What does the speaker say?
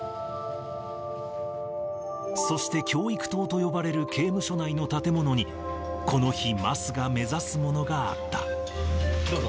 そして教育棟と呼ばれる刑務所内の建物に、この日、桝が目指すもどうぞ。